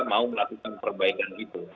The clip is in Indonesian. mau melakukan perbaikan itu